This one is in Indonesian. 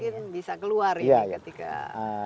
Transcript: mungkin bisa keluar ini ketika